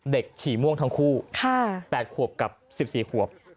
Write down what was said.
เด็กฉี่ม่วงทั้งคู่๘ขวบกับ๑๔ขวบค่ะค่ะ